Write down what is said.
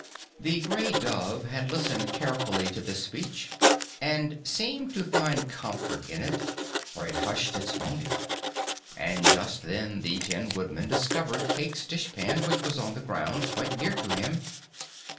The gray dove had listened carefully to this speech and seemed to find comfort in it, for it hushed its moaning. And just then the Tin Woodman discovered Cayke's dishpan, which was on the ground quite near to him.